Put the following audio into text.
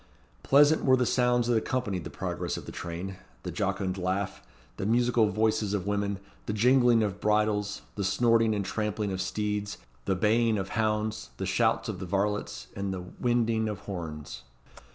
Pleasant were the sounds that accompanied the progress of the train: the jocund laugh, the musical voices of women, the jingling of bridles, the snorting and trampling of steeds, the baying of hounds, the shouts of the varlets, and the winding of horns.